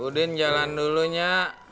bu din jalan dulu nyak